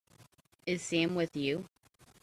Is Sam with you?